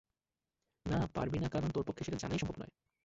না, পারবি না কারণ তোর পক্ষে সেটা জানাই সম্ভব নয়।